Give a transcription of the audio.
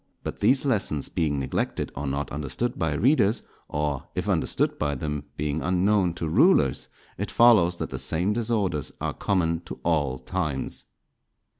But these lessons being neglected or not understood by readers, or, if understood by them, being unknown to rulers, it follows that the same disorders are common to all times.